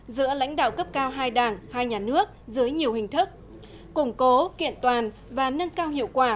giữa lãnh đạo cấp cao hai đảng hai nhà nước dưới nhiều hình thức củng cố kiện toàn và nâng cao hiệu quả